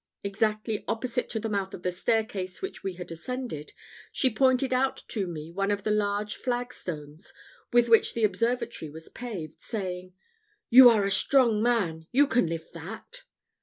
Exactly opposite to the mouth of the staircase which we had ascended, she pointed out to me one of the large flag stones with which the observatory was paved, saying, "You are a strong man you can lift that."